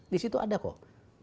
disitu ada kok